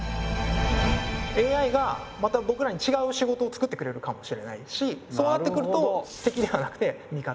ＡＩがまたぼくらに違う仕事を作ってくれるかもしれないしそうなってくると敵ではなくて味方。